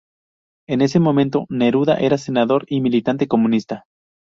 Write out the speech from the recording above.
En ese momento, Neruda era senador y militante comunista.